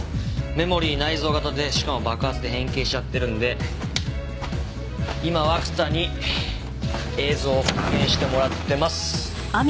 メモリー内蔵型でしかも爆発で変形しちゃってるんで今涌田に映像を復元してもらってます。